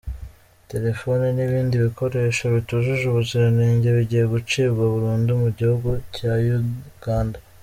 Telefoni n’ibindi bikoresho bitujuje ubuziranenge bigiye gucibwa burundu Mugihugu Cyayuganda